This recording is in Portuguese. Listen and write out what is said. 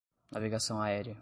Navegação aérea